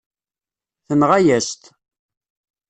Tenɣa-yas-t.